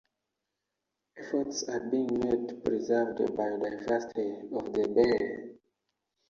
Efforts are being made to preserve the biodiversity of the bay.